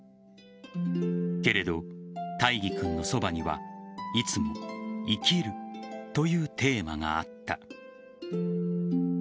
けれど、大義君のそばにはいつも生きるというテーマがあった。